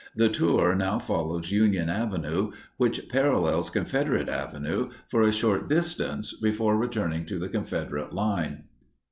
The tour now follows Union Avenue, which parallels Confederate Avenue, for a short distance before returning to the Confederate line.